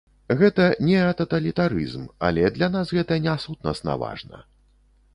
Гэта неататалітарызм, але для нас гэта не сутнасна важна.